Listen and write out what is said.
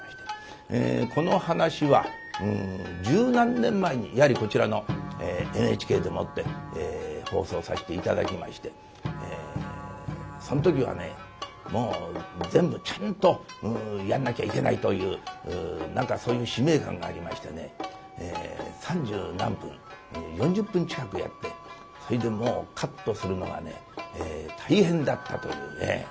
この噺は十何年前にやはりこちらのＮＨＫでもって放送させて頂きましてその時はねもう全部ちゃんとやんなきゃいけないという何かそういう使命感がありましてね三十何分４０分近くやってそれでもうカットするのが大変だったというね。